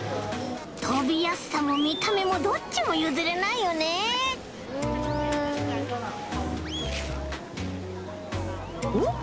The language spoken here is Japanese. とびやすさもみためもどっちもゆずれないよねおっ？